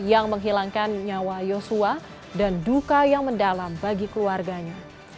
yang menghilangkan nyawa yosua dan duka yang mendalam bagi keluarganya